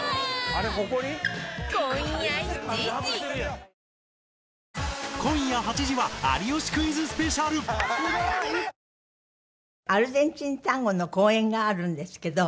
東京海上日動アルゼンチンタンゴの公演があるんですけど。